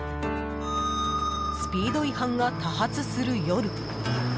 スピード違反が多発する夜